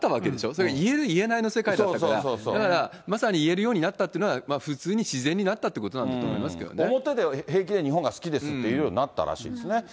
それが言える、言えないの世界だったから、だから、まさに言えるようになったというのは、普通に自然になったということなんだと表で平気で日本が好きですって言うようになったらしいですね。